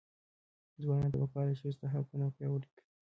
ځوانانو ته پکار ده چې، ښځو حقونه وپیاوړي کړي.